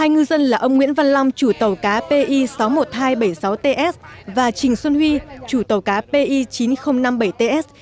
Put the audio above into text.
hai ngư dân là ông nguyễn văn long chủ tàu cá pi sáu mươi một nghìn hai trăm bảy mươi sáu ts và trình xuân huy chủ tàu cá pi chín nghìn năm mươi bảy ts